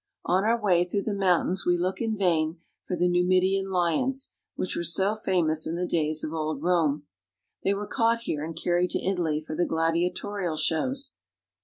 On our way through the mountains we look in vain for the Numidian lions, which were so famous in the days of old Rome. They were caught here and carried to Italy for the gladiatorial shows.